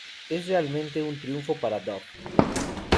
Es realmente un triunfo para Duff"".